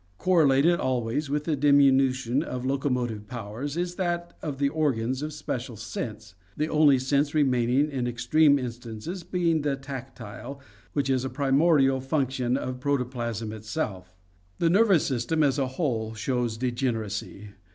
Correlated always with the diminution of locomotive powers is that of the organs of special sense, the only sense remaining in extreme in stances being the tactile, which is a primordial function of proto plasm itself. The nervous system as a whole shows degeneracy.